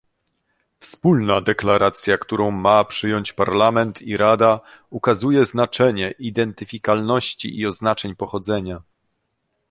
Wspólna deklaracja, którą ma przyjąć Parlament i Rada, ukazuje znaczenie identyfikowalności i oznaczeń pochodzenia